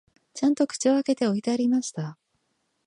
ちゃんと口を開けて置いてありました